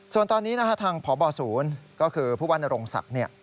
ส่วนตอนนี้ทางพบศูนย์ก็คือผู้ว่านโรงศักดิ์